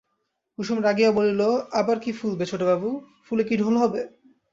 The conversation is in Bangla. কুসুম রাগিয়া বলিল, আবার কী ফুলবে ছোটবাবু, ফুলে কি ঢোল হবে?